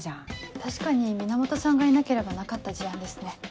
確かに源さんがいなければなかった事案ですね。